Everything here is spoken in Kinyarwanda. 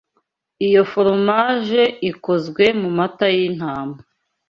Iyo foromaje ikozwe mumata yintama.